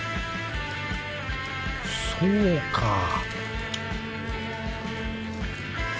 そうか！